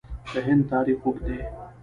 د هند تاریخ اوږد دی.